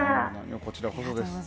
こちらこそです。